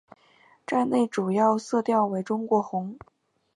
站内主要色调为中国红。